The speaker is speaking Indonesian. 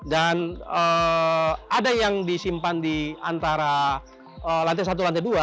dan ada yang disimpan di antara lantai satu lantai dua